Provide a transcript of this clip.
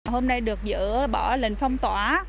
hôm nay được dỡ bỏ lệnh phong tỏa